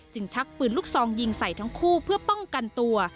ชักปืนลูกซองยิงใส่ทั้งคู่เพื่อป้องกันตัว